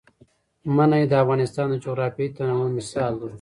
منی د افغانستان د جغرافیوي تنوع مثال دی.